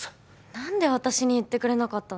何で私に言ってくれなかったの？